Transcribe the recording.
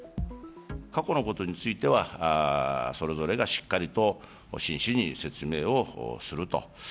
過去のことについては、それぞれがしっかりと真摯に説明をすると。